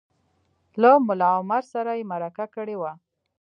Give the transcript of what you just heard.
له ملا عمر سره یې مرکه کړې وه